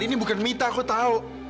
ini bukan mita kau tahu